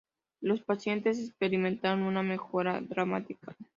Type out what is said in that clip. Los pacientes experimentaron una mejora dramática.